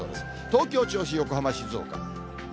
東京、銚子、横浜、静岡。